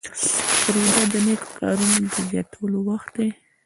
روژه د نیکو کارونو زیاتولو وخت دی.